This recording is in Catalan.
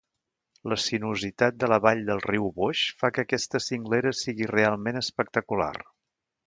La sinuositat de la vall del riu Boix fa que aquesta cinglera sigui realment espectacular.